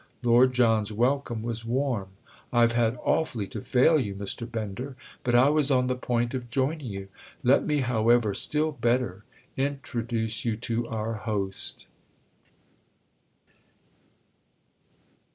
Lord John's welcome was warm. "I've had awfully to fail you, Mr. Bender, but I was on the point of joining you. Let me, however, still better, introduce you to our host."